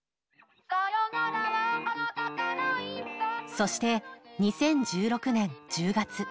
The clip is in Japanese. そして、２０１６年１０月。